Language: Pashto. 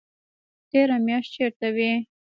تېره میاشت چیرته وئ؟